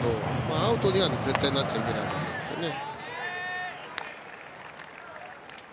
アウトには絶対になっちゃいけないですね。